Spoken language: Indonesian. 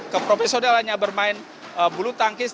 keprofesionalannya bermain bulu tangkis